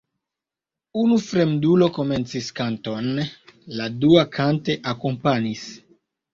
Unu fremdulo komencis kanton, la dua kante akompanis.